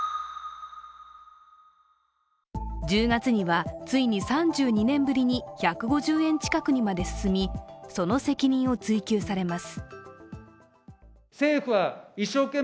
１０月にはついに３２年ぶりに１５０円近くにまで進みその責任を追及されます。